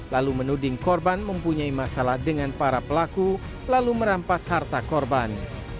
lalu menuding korban mempunyai masalah dengan para pelaku lalu merampas harta korban